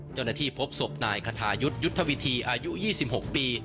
เจ้าหน้าที่พบศพนายคทายุทธ์ยุทธวิธีอายุ๒๖ปี